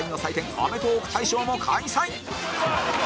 アメトーーク大賞も開催！